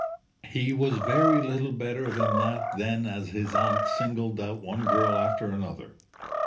He was very little better than that then as his aunt singled out one girl after another.